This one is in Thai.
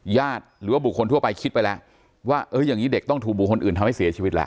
หรือว่าบุคคลทั่วไปคิดไปแล้วว่าเอออย่างนี้เด็กต้องถูกบุคคลอื่นทำให้เสียชีวิตแล้ว